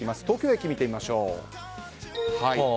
東京駅、見てみましょう。